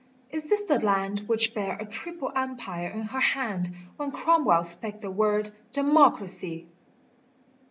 is this the land Which bare a triple empire in her hand When Cromwell spake the word Democracy